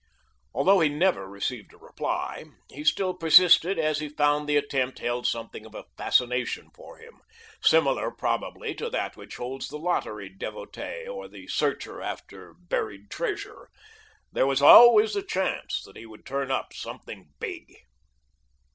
Although he never received a reply, he still persisted as he found the attempt held something of a fascination for him, similar probably to that which holds the lottery devotee or the searcher after buried treasure there was always the chance that he would turn up something big.